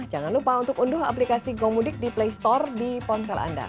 jangan lupa untuk unduh aplikasi gomudik di play store di ponsel anda